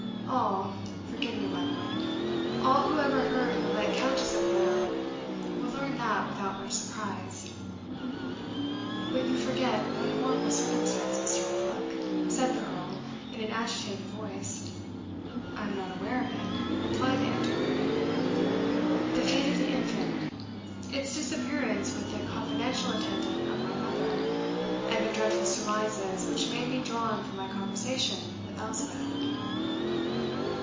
All forgive me, my lord all who ever heard of the late Countess of Glenallan, will learn that without much surprise." "But you forget one horrible circumstance, Mr. Oldbuck," said the Earl, in an agitated voice. "I am not aware of it," replied the Antiquary. "The fate of the infant its disappearance with the confidential attendant of my mother, and the dreadful surmises which may be drawn from my conversation with Elspeth."